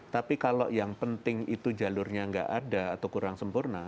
tapi kalau yang penting itu jalurnya nggak ada atau kurang sempurna